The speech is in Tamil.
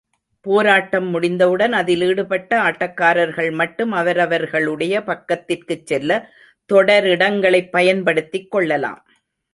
போராட்டம் முடிந்தவுடன், அதில் ஈடுபட்ட ஆட்டக்காரர்கள் மட்டும் அவரவர்களுடைய பக்கத்திற்குச் செல்ல, தொடரிடங்களைப் பயன்படுத்திக் கொள்ளலாம்.